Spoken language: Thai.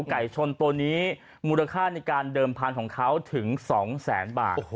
ไก่ชนตัวนี้มูลค่าในการเดิมพันธุ์ของเขาถึง๒แสนบาท